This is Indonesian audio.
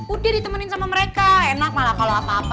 udah ditemenin sama mereka enak malah kalau apa apa